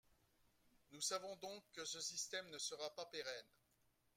Nous savons donc que ce système ne sera pas pérenne.